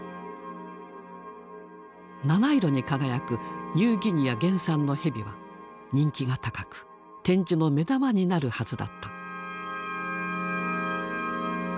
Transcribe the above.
七色に輝くニューギニア原産のヘビは人気が高く展示の目玉になるはずだった。